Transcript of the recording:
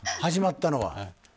始まったのは。